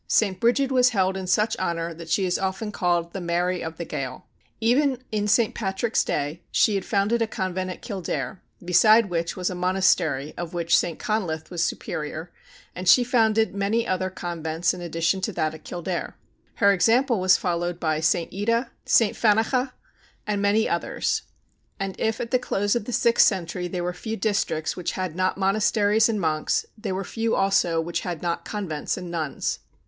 St. Brigid was held in such honor that she is often called the Mary of the Gael. Even in St. Patrick's day, she had founded a convent at Kildare, beside which was a monastery of which St. Conleth was superior; and she founded many other convents in addition to that at Kildare. Her example was followed by St. Ita, St. Fanchea, and many others; and if at the close of the sixth century there were few districts which had not monasteries and monks, there were few also which had not convents and nuns.